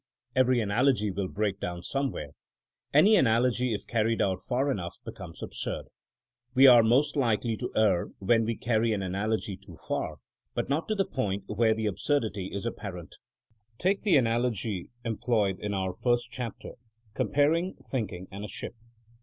Every analogy will break down some where. Any analogy if carried out far enough becomes absurd. We are most likely to err when we carry an analogy too far, but not to the point where the absurdity is apparent. Take the analogy employed in our first chapter, comparing thinking and a ship.